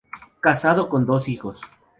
Casado, con dos hijos.